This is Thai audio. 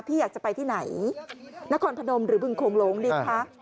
พี่อยากจะไปที่ไหนนครพนมหรือบึงโขงหลงดีคะ